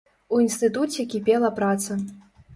У інстытуце кіпела праца.